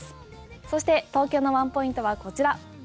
そして東京のワンポイントはこちら。